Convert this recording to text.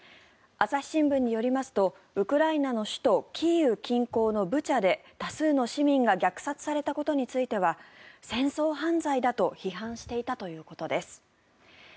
朝日新聞によりますとウクライナの首都キーウ近郊のブチャで多数の市民が虐殺されたことについては戦争犯罪だと批判していたということです。